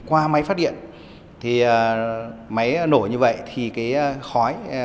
qua máy phát điện máy nổ như vậy thì khói